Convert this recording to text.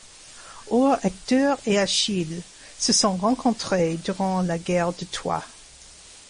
Or Hector et Achille se sont rencontrés durant la Guerre de Troie.